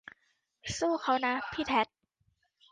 สู้เค้านะพี่เท็ด